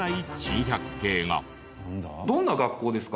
どんな学校ですか？